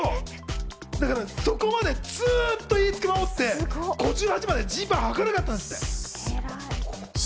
そこまでずっと言いつけを守って、５８までジーパン、はかなかったって！